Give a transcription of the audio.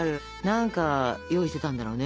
何か用意してたんだろうね